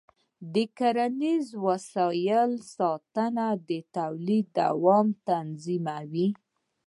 د کرنيزو وسایلو ساتنه د تولید دوام تضمینوي.